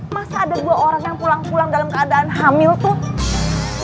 masa ada dua orang yang pulang pulang dalam keadaan hamil tuh